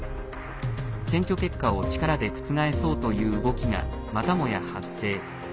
選挙結果を力で覆そうという動きが、またもや発生。